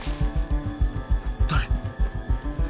誰？